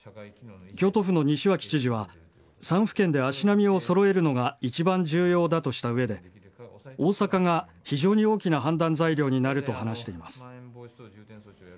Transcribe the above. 京都府の西脇知事は、３府県で足並みをそろえるのが一番重要だとしたうえで、大阪が非常に大きな判断材料になると話しています。